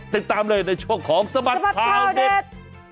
ติดตามเลยในช่วงของสบัดข่าวเด็ด